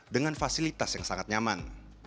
dengan fasilitas yang lebih baik